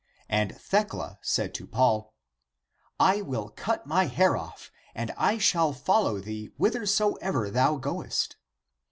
And Thecla said to Paul, " I will cut my hair off, and I shall follow thee whithersoever thou goest."